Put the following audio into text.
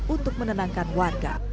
untuk menenangkan warga